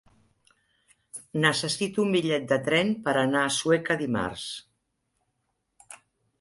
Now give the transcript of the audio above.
Necessito un bitllet de tren per anar a Sueca dimarts.